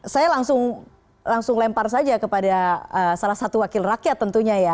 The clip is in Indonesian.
saya langsung lempar saja kepada salah satu wakil rakyat tentunya ya